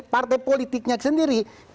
partai politiknya sendiri